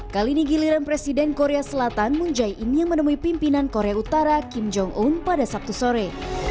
kali ini giliran presiden korea selatan moon jae in yang menemui pimpinan korea utara kim jong un pada sabtu sore